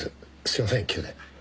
すいません急で。